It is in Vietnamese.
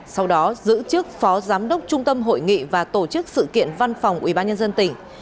sau đó giữ chức phó giám đốc trung tâm hội nghị và tổ chức sự kiện văn phòng ubnd tỉnh